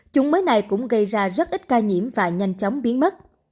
chủng mới này cũng gây ra rất ít ca nhiễm và nhanh chóng biến mất